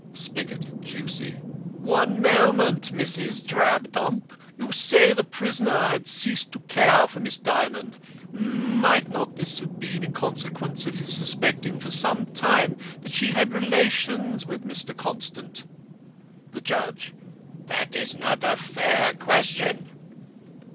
SPIGOT, Q.C.: "One moment, Mrs. Drabdump. You say the prisoner had ceased to care for Miss Dymond. Might not this have been in consequence of his suspecting for some time that she had relations with Mr. Constant?" The JUDGE: "That is not a fair question."